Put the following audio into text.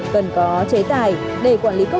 cần có chế tài để quản lý cơ hội